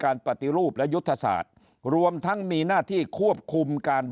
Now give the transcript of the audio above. การปฏิรูปและยุทธศาสตร์